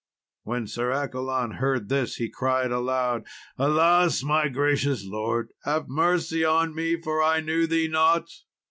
When Sir Accolon heard this he cried aloud, "Alas, my gracious lord! have mercy on me, for I knew thee not."